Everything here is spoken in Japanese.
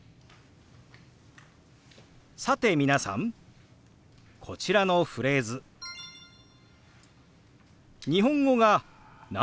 さて皆さんこちらのフレーズ日本語が「何人家族なの？」